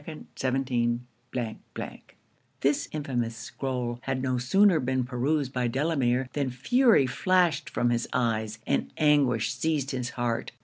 _ This infamous scroll had no sooner been perused by Delamere, than fury flashed from his eyes, and anguish seized his heart.